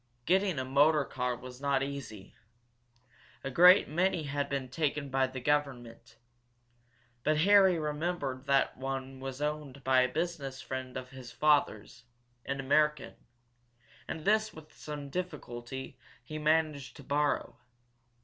Getting a motor car was not easy. A great many had been taken by the government. But Harry remembered that one was owned by a business friend of his father's, an American, and this, with some difficulty, he managed to borrow.